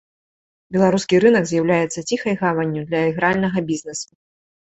Беларускі рынак з'яўляецца ціхай гаванню для ігральнага бізнесу.